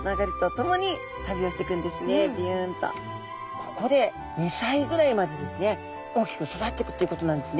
ここで２歳ぐらいまでですね大きく育っていくということなんですね。